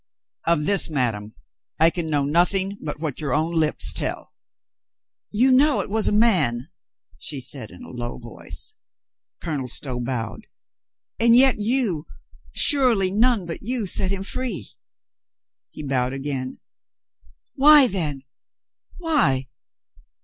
"Of this, madame, I can know nothing but what your own lips tell." "You know it was a man ?" she said in a low voice. Colonel Stow bowed. "And yet you, surely none but you, set him free?" He bowed again. "Why, then, why?"